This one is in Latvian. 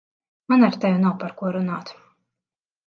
Man ar tevi nav par ko runāt.